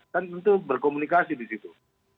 kan tentu berkomunikasi di situ